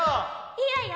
いいわよ！